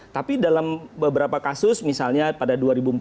tapi dalam beberapa kasus misalnya pada dua ribu empat belas